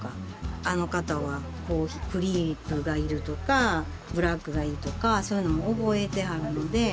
あの方はクリープがいるとかブラックがいいとかそういうのも覚えてはるので。